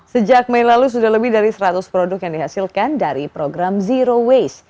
sejak mei lalu sudah lebih dari seratus produk yang dihasilkan dari program zero waste